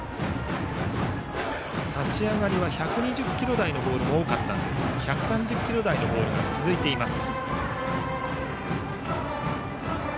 立ち上がりは１２０キロ台のボールも多かったんですが１３０キロ台のボールが続いています。